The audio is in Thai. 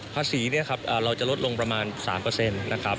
ภาษีเราจะลดลงประมาณ๓เปอร์เซ็นต์นะครับ